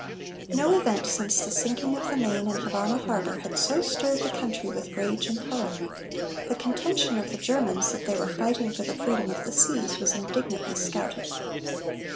No event since the sinking of the Maine in Havana Harbor had so stirred the country with rage and horror. The contention of the Germans that they were fighting for the freedom of the seas was indignantly scouted.